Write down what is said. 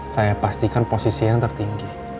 saya pastikan posisi yang tertinggi